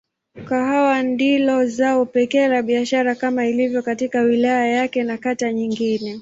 Kahawa ndilo zao pekee la biashara kama ilivyo katika wilaya yake na kata nyingine.